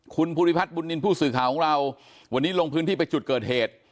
คุณภูริพัฒนบุญนินทร์ผู้สื่อข่าวของเราวันนี้ลงพื้นที่ไปจุดเกิดเหตุ